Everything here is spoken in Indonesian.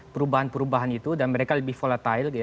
perubahan perubahan itu dan mereka lebih volatile